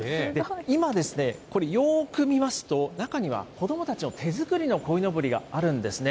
今ですね、これ、よーく見ますと、中には子どもたちの手作りのこいのぼりがあるんですね。